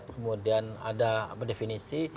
kemudian ada definisi